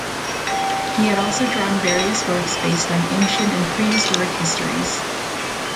He had also drawn various works based on ancient and pre-historic histories.